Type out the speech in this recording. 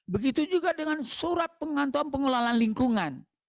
begitu juga dengan surat pengantuan pengelolaan lingkungan